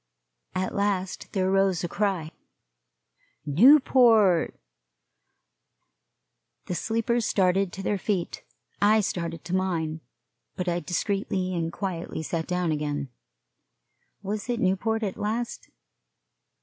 At last there rose a cry Newport! The sleepers started to their feet. I started to mine, but I discreetly and quietly sat down again. Was it Newport, at last?